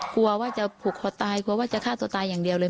กลัวว่าจะผูกคอตายกลัวว่าจะฆ่าตัวตายอย่างเดียวเลย